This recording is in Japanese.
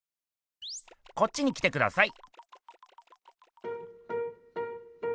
こっちに来てください。